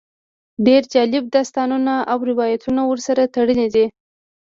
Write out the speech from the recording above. ډېر جالب داستانونه او روایتونه ورسره تړلي دي.